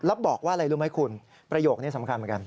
แล้วบอกว่าอะไรรู้ไหมคุณประโยคนี้สำคัญเหมือนกัน